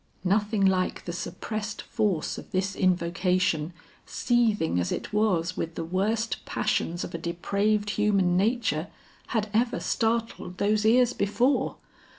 Nothing like the suppressed force of this invocation seething as it was with the worst passions of a depraved human nature, had ever startled those ears before.